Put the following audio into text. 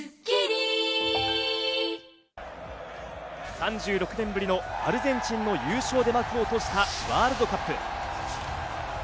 ３６年ぶりのアルゼンチンの優勝で幕を閉じたワールドカップ。